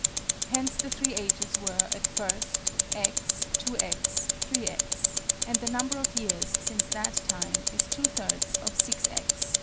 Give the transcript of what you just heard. Hence the three ages were, at first, x, 2_x_, 3_x_; and the number of years, since that time is two thirds of 6_x_, _i.